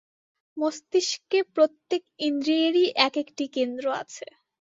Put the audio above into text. মস্তিষ্কে প্রত্যেক ইন্দ্রিয়েরই এক-একটি কেন্দ্র আছে।